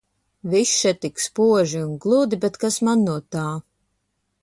Viss še tik spoži un gludi, bet kas man no tā.